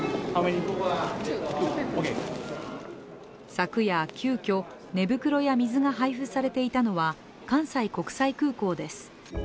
昨夜、急きょ寝袋や水が配布されていたのは、関西国際空港です。